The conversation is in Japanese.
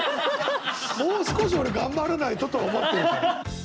もう少し俺頑張らないととは思ってるから。